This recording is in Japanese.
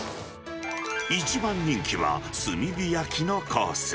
一番人気は、炭火焼きのコース。